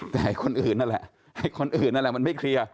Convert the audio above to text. แต่คนอื่นนั่นแหละไอ้คนอื่นนั่นแหละมันไม่เคลียร์